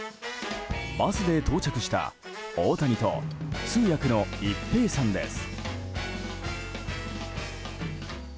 バスで到着した大谷と通訳の一平さんです。